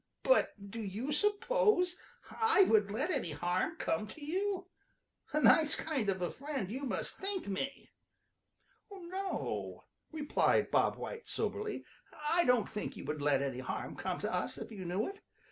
"But do you suppose I would let any harm come to you? A nice kind of a friend you must think me!" "No," replied Bob White soberly, "I don't think you would let any harm come to us if you knew it.